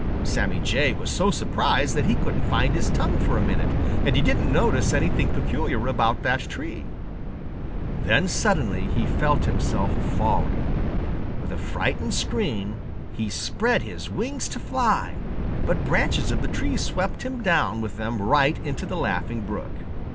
Sammy Jay was so surprised that he couldn't find his tongue for a minute, and he didn't notice anything peculiar about that tree. Then suddenly he felt himself falling. With a frightened scream, he spread his wings to fly, but branches of the tree swept him down with them right into the Laughing Brook.